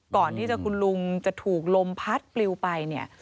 ก่อนที่จะคุณลุงจะถูกลมพัดปลิวไปเนี่ย